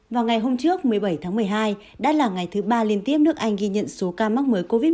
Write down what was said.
vào ngày hôm trước một mươi bảy tháng một mươi hai đã là ngày thứ ba liên tiếp nước anh ghi nhận số ca mắc mới covid một mươi chín